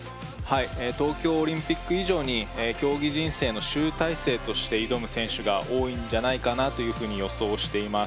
はい東京オリンピック以上に競技人生の集大成として挑む選手が多いんじゃないかなというふうに予想しています